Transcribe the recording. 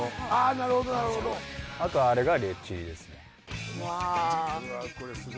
なるほどなるほどあとあれがレッチリですねうわ